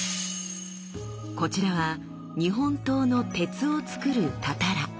こちらは日本刀の鉄をつくる「たたら」。